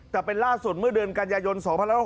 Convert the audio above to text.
แต่เป็นล่าสุดเมื่อเดือนกันยายน๒๖๖